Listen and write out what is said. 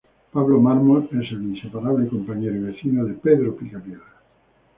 Pablo Mármol es el inseparable compañero y vecino de Pedro Picapiedra.